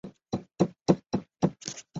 广东学生的此种现象较严重。